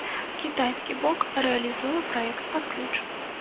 Кітайскі бок рэалізуе праект пад ключ.